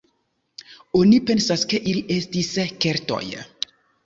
Oni pensas ke ili estis Keltoj.